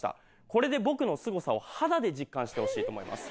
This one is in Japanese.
これで僕のすごさを肌で実感してほしいと思います。